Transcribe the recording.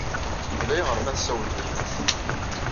Ulayɣer ma tessawleḍ yid-s.